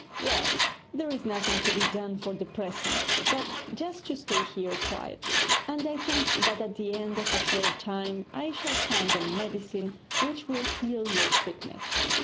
Well, there is nothing to be done for the present, but just to stay here quietly, and I think that at the end of a short time I shall find a medicine which will heal your sickness.'